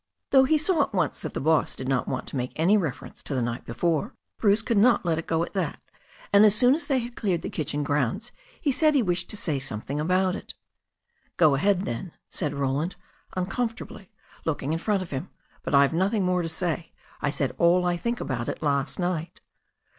Though he saw at once that the boss did not want to make any reference to the night before, Bruce could not let it go at that, and as soon as they had cleared the kitchen grounds he said he wished to say something about it. "Go ahead, then," said Roland uncomfortably, looking in front of him. "But I've nothing more to say. I said all I think about it last night."